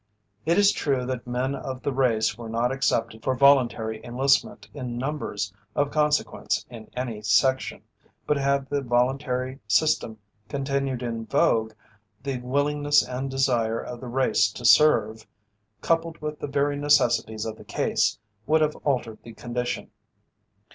It is true that men of the race were not accepted for voluntary enlistment in numbers of consequence in any section, but had the voluntary system continued in vogue, the willingness and desire of the race to serve, coupled with the very necessities of the case, would have altered the condition.